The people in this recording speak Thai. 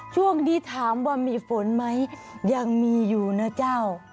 ช่วงนี้ถามว่ามีฝนไหมยังมีอยู่นะเจ้า